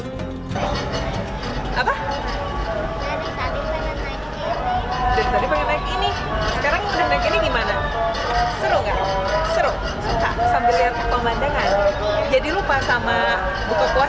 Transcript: sampai pemandangan jadi lupa sama buka puasa